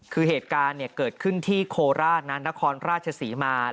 คือเหตุการณ์เกิดขึ้นที่โคราชนั้นนครราชศรีมา